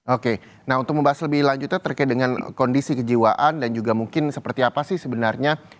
oke nah untuk membahas lebih lanjutnya terkait dengan kondisi kejiwaan dan juga mungkin seperti apa sih sebenarnya